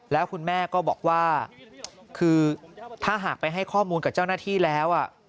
แล้วคุณแม่ก็บอกว่าคือถ้าหากไปให้ข้อมูลกับเจ้าหน้าที่แล้ว